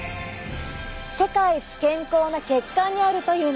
世界一健康な血管にあるというのです。